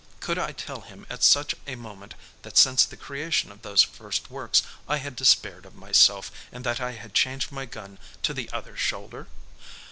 Could I tell him at such a moment that since the creation of those first works I had despaired of myself, and that I had changed my gun to the other shoulder?